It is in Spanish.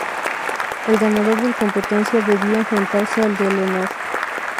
El ganador del Competencia debía enfrentarse al del Honor.